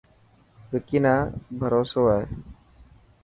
وڪي نا بهروسو هي.